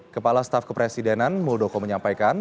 kepala staf kepresidenan muldoko menyampaikan